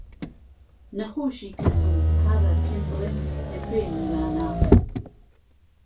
نهخۆشی کردووم هاوار پێم بڵێن له کوێ میوانه